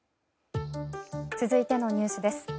続いてのニュースです。